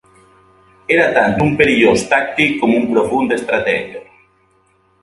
Era tant un perillós tàctic com un profund estrateg.